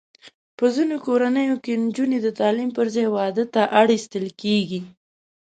په ځینو کورنیو کې نجونې د تعلیم پر ځای واده ته اړ ایستل کېږي.